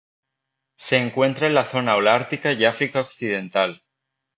Se encuentra en la zona holártica y África occidental.